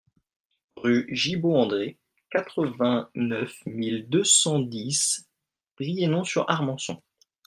Rue Gibault André, quatre-vingt-neuf mille deux cent dix Brienon-sur-Armançon